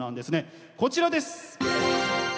こちらです！